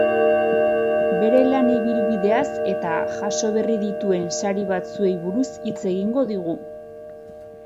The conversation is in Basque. Bere lan ibilbideaz eta jaso berri dituen sari batzuei buruz hitz egingo digu.